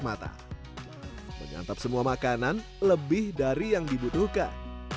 menyantap semua makanan lebih dari yang dibutuhkan